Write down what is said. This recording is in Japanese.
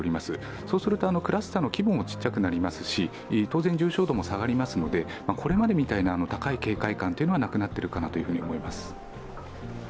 そうすると、クラスターの規模も小さくなりますし当然、重症度も下がりますのでこれまでみたいな高い警戒感はなくなっていると思います。